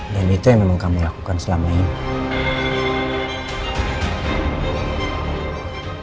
dan itu yang memang kamu lakukan selama ini